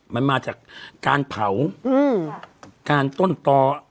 มันมาจากการเผาการต้นตอ